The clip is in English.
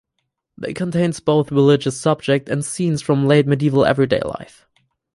They contains both religious subjects and scenes from late medieval everyday life.